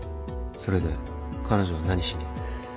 それで彼女は何しに？